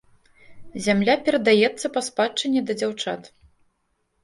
Зямля перадаецца па спадчыне да дзяўчат.